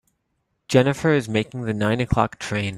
Jennifer is making the nine o'clock train.